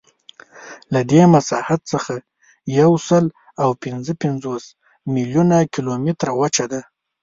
له دې مساحت څخه یوسلاوپینځهپنځوس میلیونه کیلومتره وچه ده.